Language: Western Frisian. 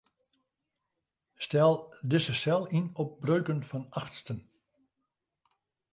Stel dizze sel yn op breuken fan achtsten.